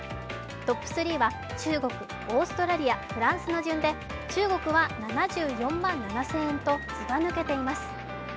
トップ３は、中国、オーストラリアフランスの順で中国は７４万７０００円とずば抜けています。